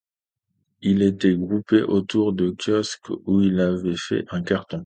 Ils étaient groupés autour du kiosque où il avait fait un carton.